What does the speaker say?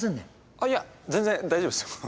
あっいや全然大丈夫ですよ。